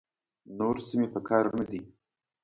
نور څه مې په کار نه دي.